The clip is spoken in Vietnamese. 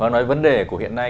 nói vấn đề của hiện nay